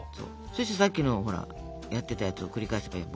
そしてさっきのほらやってたやつを繰り返せばいいの。